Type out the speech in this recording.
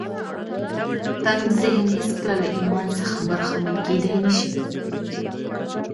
تنګ ذهن هېڅکله له ایمان څخه برخمن کېدای نه شي